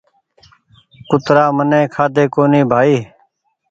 ڪُترآ مني کآڌي ڪُوني بآئي